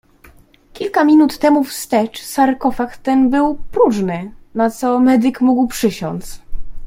"Kilka minut temu wstecz sarkofag ten był próżny, na co medyk mógł przysiąc."